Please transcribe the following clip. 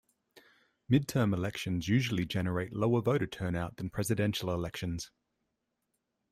Midterm elections usually generate lower voter turnout than presidential elections.